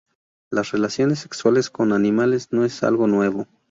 Las relaciones sexuales con animales no es algo nuevo.